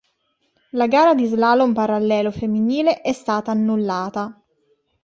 La gara di slalom parallelo femminile è stata annullata.